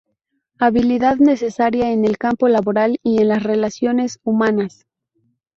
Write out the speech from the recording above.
Habilidad necesaria en el campo laboral y en las relaciones humanas.